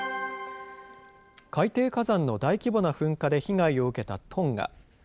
海底火山の大規模な噴火で被害を受けたトンガ。